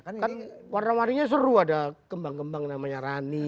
kan warna warninya seru ada kembang kembang namanya rani